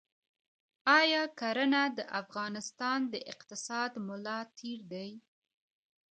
آیا کرنه د افغانستان د اقتصاد ملا تیر دی؟